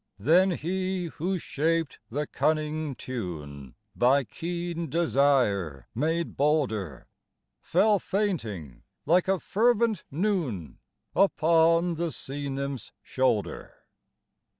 Then he who shaped the cunning tune, by keen desire made bolder, Fell fainting, like a fervent noon, upon the sea nymph's shoulder.